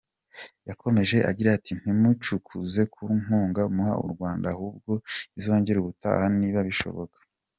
Yakomeje agira ati “Ntimwicuze ku nkunga muha u Rwanda ahubwo izongerwe ubutaha niba bishoboka.